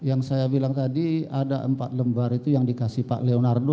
yang saya bilang tadi ada empat lembar itu yang dikasih pak leonardo